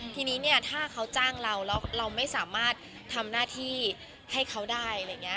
ทีนี้เนี่ยถ้าเขาจ้างเราแล้วเราไม่สามารถทำหน้าที่ให้เขาได้